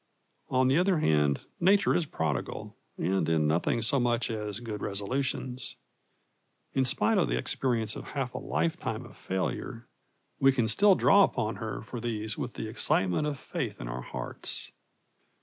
On the other hand, Nature is prodigal, and in nothing so much as good resolutions. In spite of the experience of half a lifetime of failure, we can still draw upon her for these with the excitement of faith in our hearts.